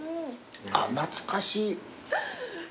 あっ懐かしい。